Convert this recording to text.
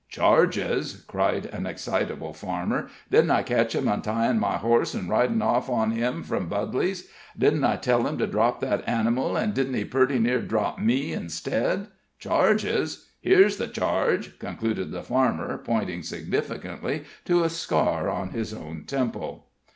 "Charges?" cried an excitable farmer. "Didn't I catch him untying my horse, an' ridin' off on him from Budley's? Didn't I tell him to drop that anamile, an' didn't he purty near drop me instead? Charges? here's the charge!" concluded the farmer, pointing significantly to a scar on his own temple.